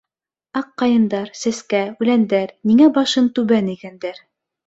Аҡ ҡайындар, сәскә, үләндәр Ниңә башын түбән эйгәндәр?